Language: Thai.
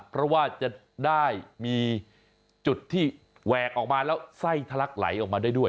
เพราะว่าจะได้มีจุดที่แหวกออกมาแล้วไส้ทะลักไหลออกมาได้ด้วย